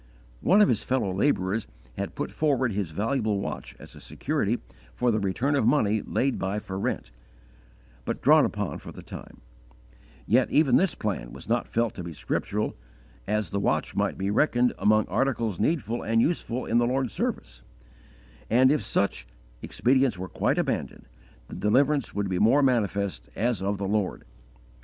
One of his fellow labourers had put forward his valuable watch as a security for the return of money laid by for rent, but drawn upon for the time; yet even this plan was not felt to be scriptural, as the watch might be reckoned among articles needful and useful in the Lord's service, and, if such, expedients were quite abandoned, the deliverance would be more manifest as of the Lord.